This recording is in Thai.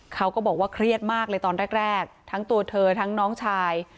เขาก็บอกว่าเครียดมากเลยตอนแรกทั้งตัวเธอทั้งน้องชาย